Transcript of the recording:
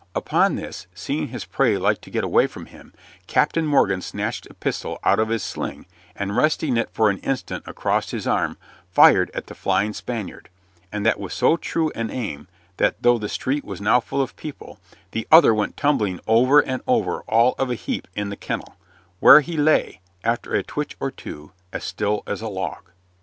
Upon this, seeing his prey like to get away from him, Captain Morgan snatched a pistol out of his sling, and resting it for an instant across his arm, fired at the flying Spaniard, and that with so true an aim that, though the street was now full of people, the other went tumbling over and over all of a heap in the kennel, where he lay, after a twitch or two, as still as a log.